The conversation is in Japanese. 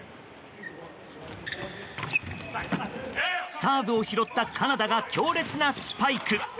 サーブを拾ったカナダが強烈なスパイク。